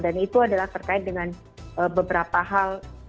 dan itu adalah terkait dengan beberapa hal